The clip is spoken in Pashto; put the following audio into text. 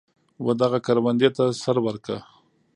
ودغه کروندې ته سره ورکه.